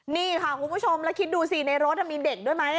นี่ค่ะคุณผู้ชมแล้วคิดดูสิในรถมีเด็กด้วยไหม